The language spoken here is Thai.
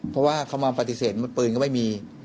เพราะว่าเขามาปฏิเสธปืนก็ไม่มี